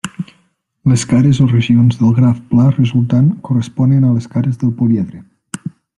Les cares o regions del graf pla resultant corresponen a les cares del políedre.